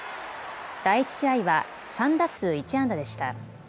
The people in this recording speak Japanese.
第１試合は３打数１安打でした。